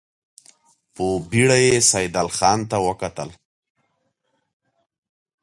په بېړه يې سيدال خان ته وکتل.